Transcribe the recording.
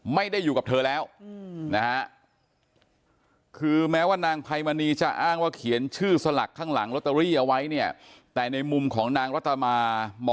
ไม่ได้อยู่กับเธอแล้วนะฮะ